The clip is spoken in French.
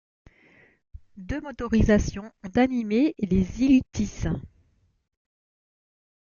Deux motorisations ont animé les Iltis.